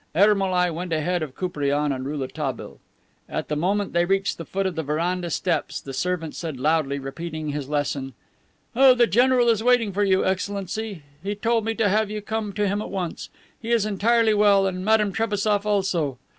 Ermolai went ahead of Koupriane and Rouletabille. At the moment they reached the foot of the veranda steps the servant said loudly, repeating his lesson: "Oh, the general is waiting for you, Excellency. He told me to have you come to him at once. He is entirely well and Madame Trebassof also."